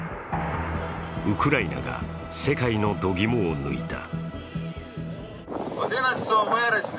ウクライナが世界の度肝を抜いた。